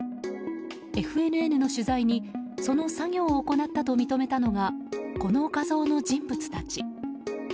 ＦＮＮの取材にその作業を行ったと認めたのがこの画像の人物たち。